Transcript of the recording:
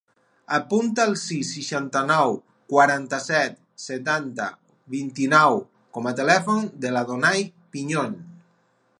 Apunta el sis, seixanta-nou, quaranta-set, setanta, vint-i-nou com a telèfon de l'Adonay Piñon.